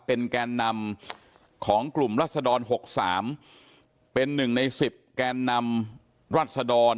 เป็นแกนนำของกลุ่มรัศดร๖๓เป็น๑ใน๑๐แกนนำรัศดร